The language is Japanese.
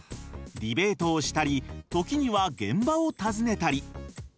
ディベートをしたり時には現場を訪ねたり。